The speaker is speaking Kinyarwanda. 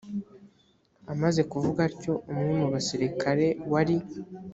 amaze kuvuga atyo umwe mu basirikare wari